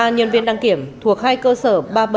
ba nhân viên đăng kiểm thuộc hai cơ sở